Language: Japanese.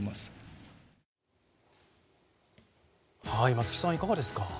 松木さん、いかがですか。